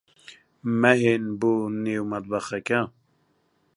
مەھێن بۆ نێو مەتبەخەکە.